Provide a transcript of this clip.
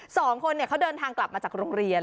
สองคนเขาเดินทางกลับมาจากโรงเรียน